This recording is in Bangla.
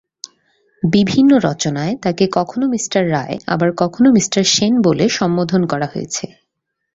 বিভিন্ন রচনায় তাকে কখনও মিঃ রায় আবার কখনও মিঃ সেন বলে সম্বোধন করা হয়েছে।